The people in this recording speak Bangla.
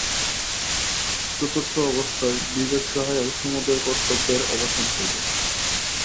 চতুর্থ অবস্থায় বিবেকসহায়ে সমুদয় কর্তব্যের অবসান হইবে।